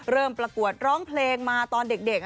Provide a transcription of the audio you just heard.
ประกวดร้องเพลงมาตอนเด็ก